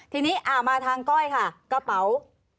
ทีนี้มาทางก้อยค่ะกระเป๋า